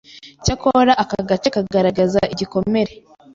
Icyakora aka gace kagaragaza igikomere